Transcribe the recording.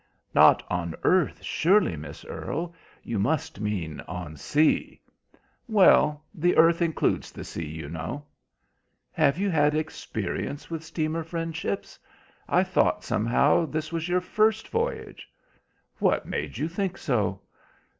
"Not on earth, surely, Miss Earle. You must mean on sea." "Well, the earth includes the sea, you know." "Have you had experience with steamer friendships? I thought, somehow, this was your first voyage." "What made you think so?"